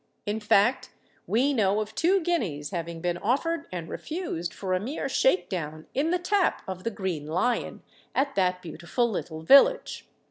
In fact we know of two guineas having been offered and refused for a mere 'shake down' in the tap of the Green Lion, at that beautiful little village.